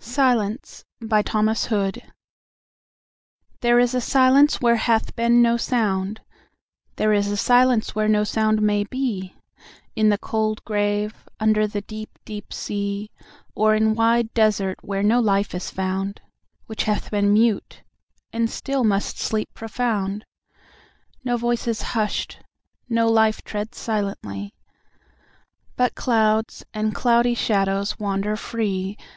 the soul! SONNET. SILENCE. There is a silence where hath been no sound, There is a silence where no sound may be, In the cold grave—under the deep deep sea, Or in wide desert where no life is found, Which hath been mute, and still must sleep profound; No voice is hush'd—no life treads silently, But clouds and cloudy shadows wander free.